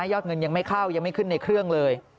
ยอดเงินยังไม่เข้ายังไม่ขึ้นในเครื่องเลย